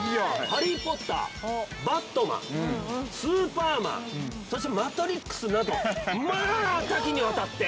「ハリー・ポッター」「バットマン」、「スーパーマン」、そして「マトリックス」など、多岐にわたって。